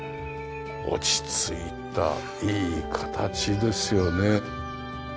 落ちついたいい形ですよね。